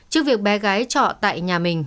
trước việc bé gái trọ tại nhà mình